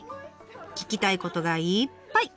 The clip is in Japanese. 聞きたいことがいっぱい！